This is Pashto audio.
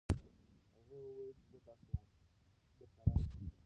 هغې وویل چې زه درسره یم.